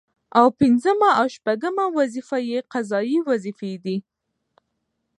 او پنځمه او شپومه وظيفه يې قضايي وظيفي دي